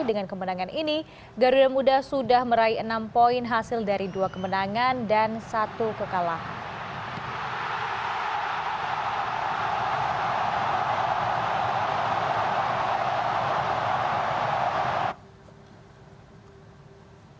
dengan kemenangan ini garuda muda sudah meraih enam poin hasil dari dua kemenangan dan satu kekalahan